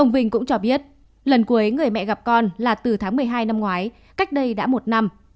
ông vinh cũng cho biết lần cuối người mẹ gặp con là từ tháng một mươi hai năm ngoái cách đây đã một năm